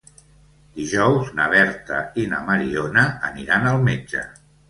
Dijous na Berta i na Mariona aniran al metge.